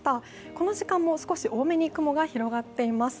この時間も少し多めに雲が広がっています。